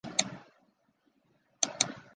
有子孙同珍。